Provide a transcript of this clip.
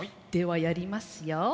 ではやりますよ。